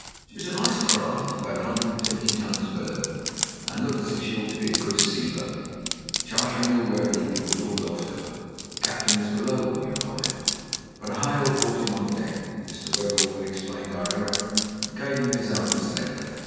She was a nice craft of about a hundred and fifty tons burden, and looked as if she ought to be a good sea boat. Chartering a wherry, we were pulled off to her. The captain was below when we arrived, but a hail brought him on deck. Mr. Wetherell then explained our errand, and gave him his owner's letter.